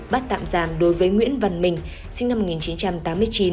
bắt tạm giam đối với nguyễn văn minh sinh năm một nghìn chín trăm tám mươi chín